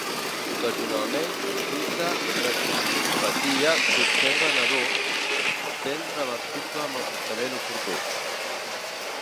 Ocasionalment, dita retinopatia s'observa en adults, sent reversible amb el tractament oportú.